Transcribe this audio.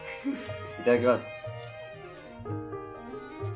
いただきます。